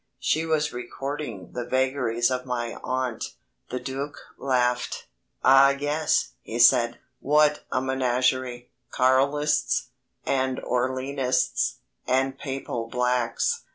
She was recording the vagaries of my aunt. The Duc laughed. "Ah, yes," he said, "what a menagerie Carlists, and Orleanists, and Papal Blacks.